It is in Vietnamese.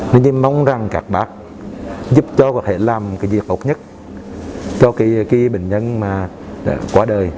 nhưng mong rằng các bác giúp cho có thể làm cái gì tốt nhất cho cái cái bệnh nhân mà qua đời